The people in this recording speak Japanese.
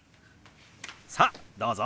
さあどうぞ！